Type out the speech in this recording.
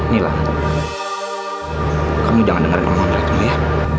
nila kamu jangan dengar dengar ngomongnya dulu ya